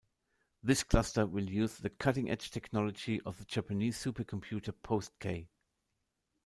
This cluster will use the cutting-edge technology of the Japanese supercomputer Post-K.